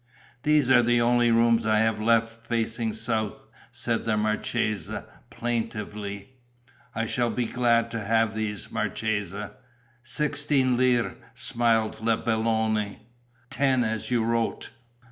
"These are the only rooms I have left facing south," said the marchesa, plaintively. "I shall be glad to have these, marchesa." "Sixteen lire," smiled la Belloni. "Ten, as you wrote."